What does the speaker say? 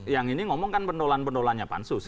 yang ini ngomongkan penolakan penolakan pansus